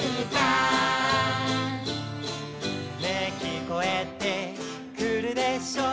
「ね聞こえてくるでしょう」